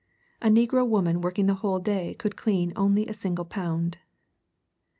A negro woman working the whole day could clean only a single pound.